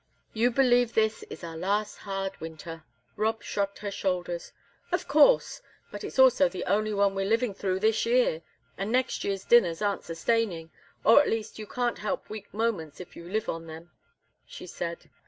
You believe this is our last hard winter." Rob shrugged her shoulders. "Of course, but it's also the only one we're living through this year, and next year's dinners aren't sustaining or, at least, you can't help weak moments if you live on them," she said.